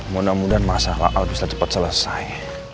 mudah mudahan masalah al bisa cepat selesai